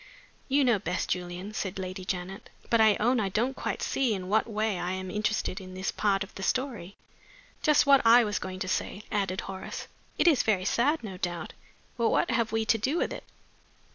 '" "You know best, Julian," said Lady Janet. "But I own I don't quite see in what way I am interested in this part of the story." "Just what I was going to say," added Horace. "It is very sad, no doubt. But what have we to do with it?"